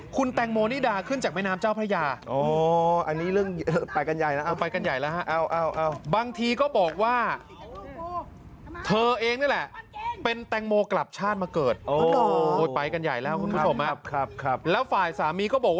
คุณแตงโมนิดาขึ้นจากแม่น้ำเจ้าพระยา